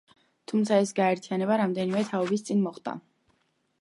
თუმცა ეს გაერთიანება რამდენიმე თაობის წინ მოხდა.